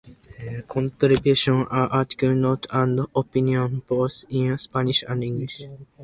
Contributions are articles, notes and opinions, both in Spanish and English.